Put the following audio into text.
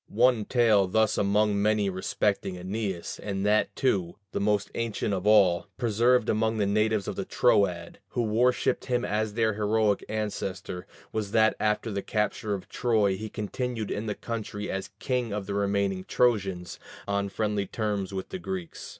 One tale thus among many respecting Æneas, and that, too, the most ancient of all, preserved among natives of the Troad, who worshipped him as their heroic ancestor, was that after the capture of Troy he continued in the country as king of the remaining Trojans, on friendly terms with the Greeks.